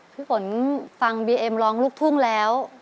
พี่ฝนฟังบีเอ็มร้องลูกทุ่งแล้ว